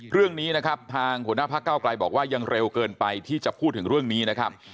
เรื่องนี้นะครับทางหัวหน้าพักเก้าไกลบอกว่ายังเร็วเกินไปที่จะพูดถึงเรื่องนี้นะครับ